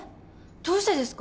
どうしてですか？